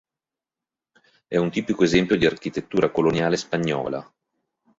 È un tipico esempio di architettura coloniale spagnola.